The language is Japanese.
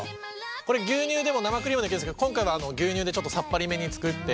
これ牛乳でも生クリームでもいけるんですけど今回は牛乳でちょっとさっぱりめに作って。